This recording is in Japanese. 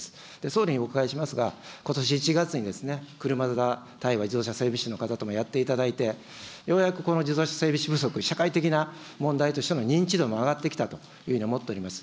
総理にお伺いしますが、ことし１月に車座対話、自動車整備士の方ともやっていただいて、ようやくこの自動車整備士不足、社会的な人材不足の認知度も上がってきたと思います。